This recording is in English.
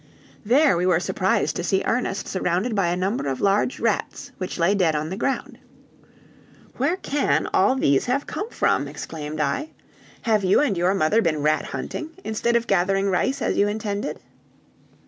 There we were surprised to see Ernest surrounded by a number of large rats which lay dead on the ground. "Where can all these have come from?" exclaimed I. "Have you and your mother been rat hunting instead of gathering rice as you intended?"